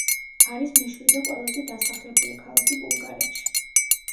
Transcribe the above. არის მეშვიდე ყველაზე დასახლებული ქალაქი ბულგარეთში.